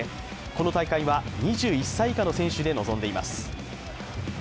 この大会は２１歳以下の選手で臨んでいます。